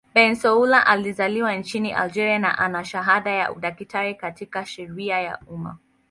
Bensaoula alizaliwa nchini Algeria na ana shahada ya udaktari katika sheria ya umma.